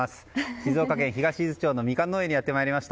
静岡県東伊豆町のミカン農園にやってまいりました。